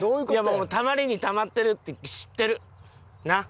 もうたまりにたまってるって知ってる。なあ？